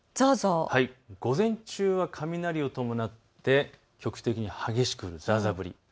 午前中は雷を伴って局地的に激しく降る、ざーざー降り。